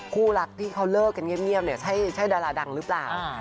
คู่รักที่เขาเลิกกันเงียบเนี่ยใช่ดาราดังหรือเปล่า